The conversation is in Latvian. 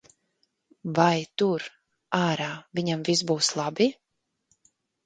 Vai tur, ārā, viņam viss būs labi?